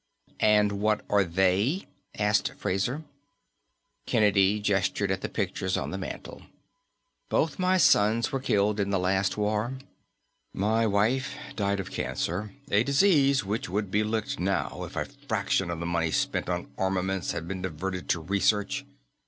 "And what are they?" asked Fraser. Kennedy gestured at the pictures on the mantel. "Both my sons were killed in the last war. My wife died of cancer a disease which would be licked now if a fraction of the money spent on armaments had been diverted to research.